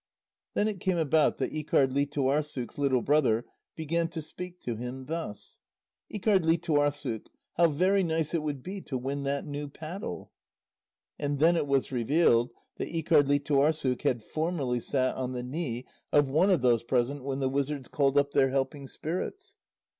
Then it came about that Íkardlítuarssuk's little brother began to speak to him thus: "Íkardlítuarssuk, how very nice it would be to win that new paddle!" And then it was revealed that Íkardlítuarssuk had formerly sat on the knee of one of those present when the wizards called up their helping spirits.